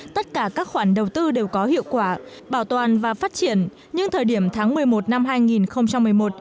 tất cả các khoản đầu tư đều có hiệu quả bảo toàn và phát triển nhưng thời điểm tháng một mươi một năm hai nghìn một mươi một